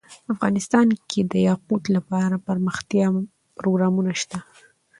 افغانستان کې د یاقوت لپاره دپرمختیا پروګرامونه شته.